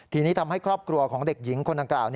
ทีนี้ทำให้ครอบครัวของเด็กหญิงคนดังกล่าว